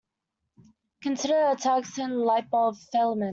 Consider a tungsten light-bulb filament.